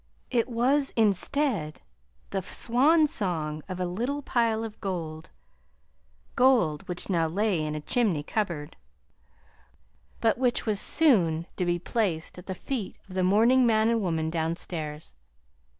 It was, instead, the swan song of a little pile of gold gold which lay now in a chimney cupboard, but which was soon to be placed at the feet of the mourning man and woman downstairs.